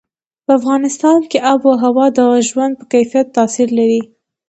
په افغانستان کې آب وهوا د ژوند په کیفیت تاثیر لري.